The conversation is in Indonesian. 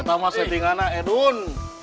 kita mau setting anak edun